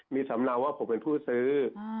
มีสำเนาว่าผมเป็นผู้ซื้อ